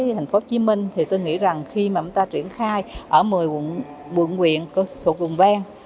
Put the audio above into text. tp hcm tôi nghĩ rằng khi mà chúng ta triển khai ở một mươi quận huyện thuộc quận vang